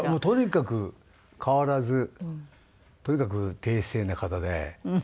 とにかく変わらずとにかく低姿勢な方で。